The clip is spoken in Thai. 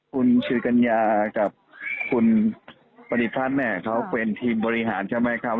คุณสิริกัญญากับคุณปฏิพัฒน์เนี่ยเขาเป็นทีมบริหารใช่ไหมครับ